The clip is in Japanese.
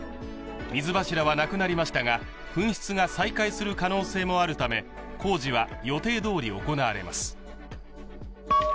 水柱はなくなりましたが噴出が再開する可能性もあるため工事は予定どおり行われます。